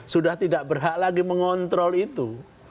sudah tidak berhak lagi mengontrol itu